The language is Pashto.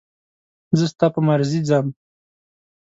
زه ستا په مرضي ځم.